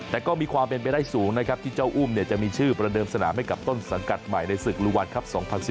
แต่ก็มีความเป็นไปได้สูงนะครับที่เจ้าอุ้มจะมีชื่อประเดิมสนามให้กับต้นสังกัดใหม่ในศึกลูวันครับ๒๐๑๙